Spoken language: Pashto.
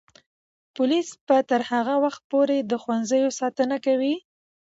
پولیس به تر هغه وخته پورې د ښوونځیو ساتنه کوي.